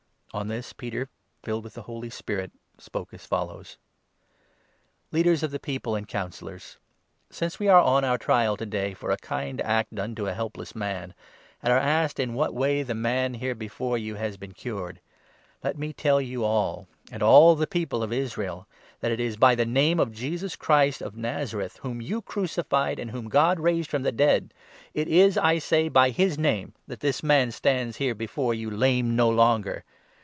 " On this, Peter, filled with the Holy Spirit, spoke as follows : 8 "Leaders of the people and Councillors, since we are on 9 our trial to day for a kind act done to a helpless man, and are asked in what way the man here before you has been cured, let me tell you all and all the people of Israel, that 10 it is by the Name of Jesus Christ of Nazareth, whom you crucified and whom God raised from the dead— it is, I say, by his Name that this man stands here before you lame no longer.